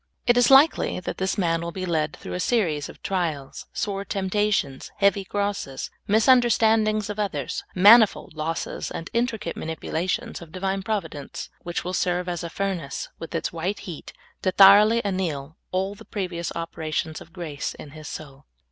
It is likel} that this man will be led through a vSeries of trials, vSore temptations, heavy crosses, misun derstandings of others, manifold losses, and intricate manipulations of Divine Providence, which will ser^^e as a furnace, with its white heat, to thoroughly anneal all the previous operations of grace in his soul.